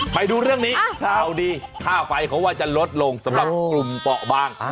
ไปดูเรื่องนี้ข่าวดีค่าไฟเขาว่าจะลดลงสำหรับกลุ่มเปาะบาง